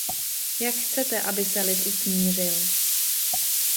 Jak chcete, aby se lid usmířil?